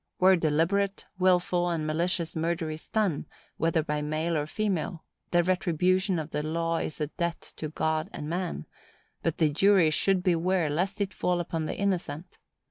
Where deliberate, wilful, and malicious murder is done, whether by male or female, the retribution of the law is a debt to God and man; but the jury should beware lest it fall upon the innocent.